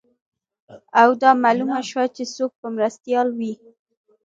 او دا معلومه شوه چې څوک به مرستیال وي